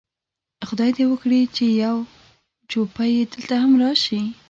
خدای دې وکړي چې یو جوپه یې دلته هم راشي.